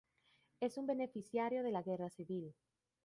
Es un beneficiario de la guerra civil.